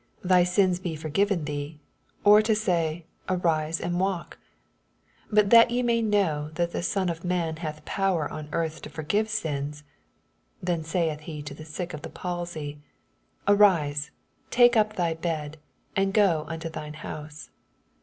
Thy sins be fornven thee ; or to say, Arise, and walk f G But that ye may know that the Son of man hath power on earth to for^ve sine, (then saith he to the sick of me palsy,) Arise, take up thy bed, and go unto thine house.